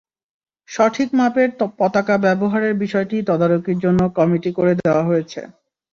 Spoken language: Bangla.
সঠিক মাপের পতাকা ব্যবহারের বিষয়টি তদারকির জন্য কমিটি করে দেওয়া হয়েছে।